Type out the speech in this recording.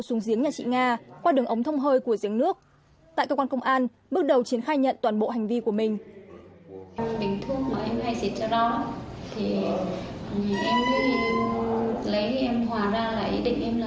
xuống giếng nhà chị nga qua đường ống thông hơi của giếng nước tại cơ quan công an bước đầu chiến khai nhận toàn bộ hành vi của mình